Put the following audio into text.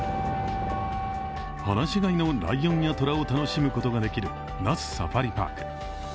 放し飼いのライオンや虎を楽しむことができる那須サファリパーク。